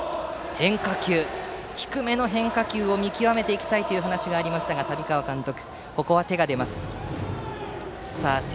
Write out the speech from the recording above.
低めの変化球も見極めていきたいという話もあった旅川監督。